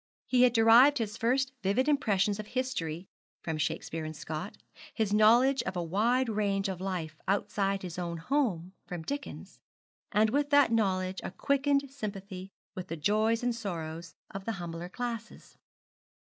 He had derived his first vivid impressions of history from Shakespeare and Scott, his knowledge of a wide range of life outside his own home from Dickens; and with that knowledge a quickened sympathy with the joys and sorrows of the humbler classes.